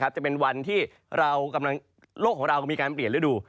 จะเป็นวันที่โลกของเราก็มีการเปลี่ยนฤดู